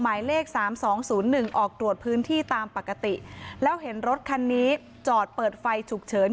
หมายเลขสามสองศูนย์หนึ่งออกตรวจพื้นที่ตามปกติแล้วเห็นรถคันนี้จอดเปิดไฟฉุกเฉิน